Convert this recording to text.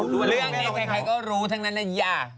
ดูเลื่อนไว้ใครก็รู้ทั้งนั้นนะไย่ะ